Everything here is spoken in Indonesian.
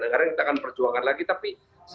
kita akan perjuangan lagi tapi